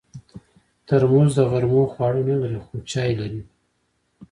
ترموز د غرمو خواړه نه لري، خو چای لري.